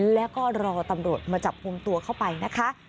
แล้วก็รอตำรวจมาจับกลุ่มตัวเข้าไปนะคะ